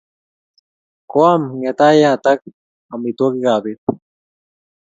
Koam ng'etayatak amitwogik ap pet